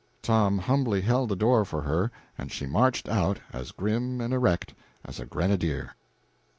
Tom humbly held the door for her, and she marched out as grim and erect as a grenadier.